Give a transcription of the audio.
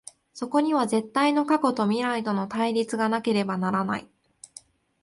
そこには絶対の過去と未来との対立がなければならない。